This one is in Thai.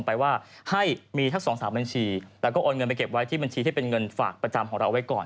แล้วก็เอาเงินไปเก็บไว้ที่บัญชีที่เป็นเงินฝากประจำของเราเอาไว้ก่อน